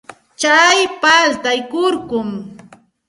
Tsay paltay kurkum.